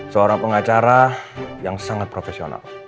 seorang pengacara yang sangat profesional